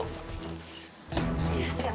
masuk masuk masuk